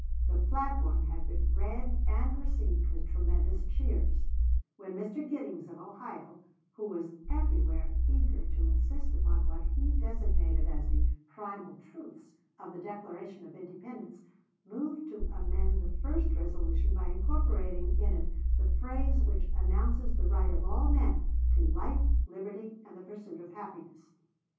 The platform had been read and received with tremendous cheers, when Mr. Giddings, of Ohio, who was everywhere eager to insist upon what he designated as the "primal truths" of the Declaration of Independence, moved to amend the first resolution by incorporating in it the phrase which announces the right of all men to "life, liberty, and the pursuit of happiness."